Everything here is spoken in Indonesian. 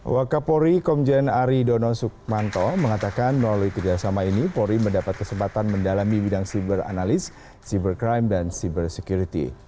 wakapori komjen ari dono sukmanto mengatakan melalui kerjasama ini polri mendapat kesempatan mendalami bidang cyber analyst cyber crime dan cyber security